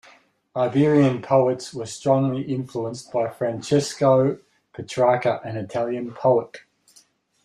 Iberian poets were strongly influenced by Francesco Petrarca, an Italian poet.